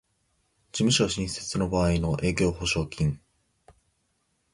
事務所新設の場合の営業保証金